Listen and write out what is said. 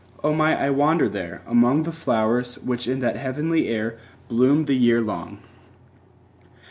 O might I wander there, Among the flowers, which in that heavenly air 5 Bloom the year long!